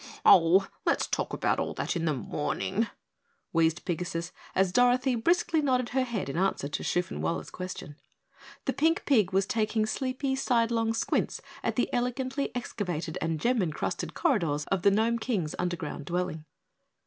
"Oh, let's talk about all that in the morning," wheezed Pigasus as Dorothy briskly nodded her head in answer to Shoofenwaller's question. The pink pig was taking sleepy sidelong squints at the elegantly excavated and gem encrusted corridors of the Gnome King's underground dwelling.